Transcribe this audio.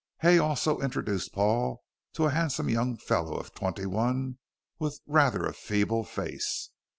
Hay also introduced Paul to a handsome young fellow of twenty one with rather a feeble face.